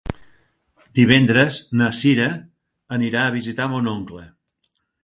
Divendres na Cira anirà a visitar mon oncle.